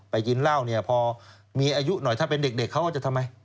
กินเหล้าเนี่ยพอมีอายุหน่อยถ้าเป็นเด็กเขาก็จะทำไม